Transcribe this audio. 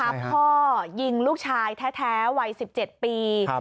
พ่อยิงลูกชายแท้วัย๑๗ปี